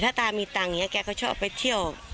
ถ้าตามีตังค์อย่างนี้แกก็ชอบไปเที่ยว